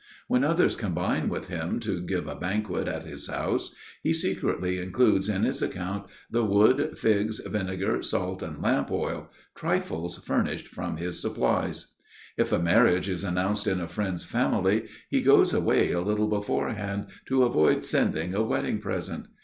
When others combine with him to give a banquet at his house, he secretly includes in his account the wood, figs, vinegar, salt, and lamp oil,—trifles furnished from his supplies. If a marriage is announced in a friend's family, he goes away a little beforehand, to avoid sending a wedding present.